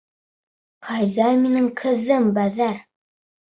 Ҡайҙа минең ҡыҙым Бәҙәр?